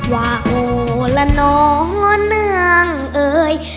ว่าโอละนอเนื่องเอ่ย